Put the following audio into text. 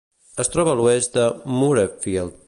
Es troba a l'oest de Moorefield.